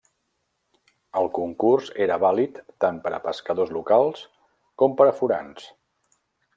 El concurs era vàlid tant per a pescadors locals com per a forans.